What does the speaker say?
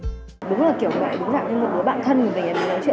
đúng là kiểu bạn đúng dạng như một đứa bạn thân